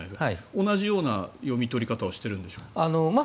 同じような読み取り方をしているんでしょうか。